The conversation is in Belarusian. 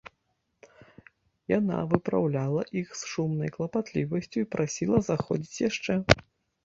Яна выпраўляла іх з шумнай клапатлівасцю і прасіла заходзіць яшчэ.